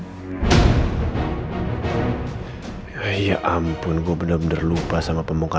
tiap jumat eksklusif di gtv